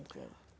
toharoh ini adalah